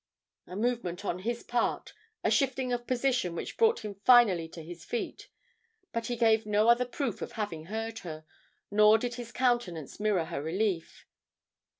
A movement on his part, a shifting of position which brought him finally to his feet, but he gave no other proof of having heard her, nor did his countenance mirror her relief.